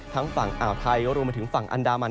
ฝั่งอ่าวไทยรวมมาถึงฝั่งอันดามัน